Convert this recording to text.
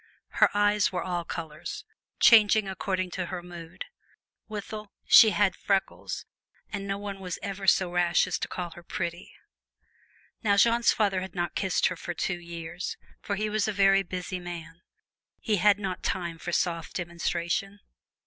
Her eyes were all colors, changing according to her mood. Withal, she had freckles, and no one was ever so rash as to call her pretty. Now, Jeanne's father had not kissed her for two years, for he was a very busy man: he had not time for soft demonstration.